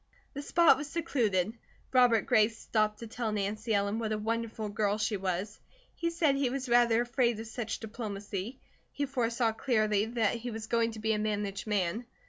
The spot was secluded. Robert Gray stopped to tell Nancy Ellen what a wonderful girl she was. He said he was rather afraid of such diplomacy. He foresaw clearly that he was going to be a managed man.